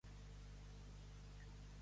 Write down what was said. Ser un pillo.